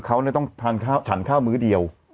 เขาต้องฉันข้าวมื้อเดียว